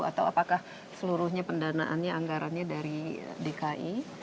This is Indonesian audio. atau apakah seluruhnya pendanaannya anggarannya dari dki